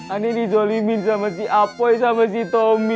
aneh dizolimin sama si apoi sama si tommy